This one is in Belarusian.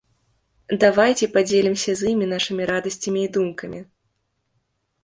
Давайце падзелімся з імі нашымі радасцямі і думкамі.